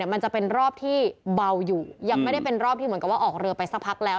มันจะเป็นรอบที่เบาอยู่ยังไม่ได้เป็นรอบที่เหมือนกับว่าออกเรือไปสักพักแล้ว